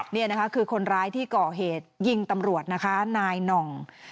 นี่นะคะคือคนร้ายที่ก่อเหตุยิงตำรวจนะคะนายหน่อง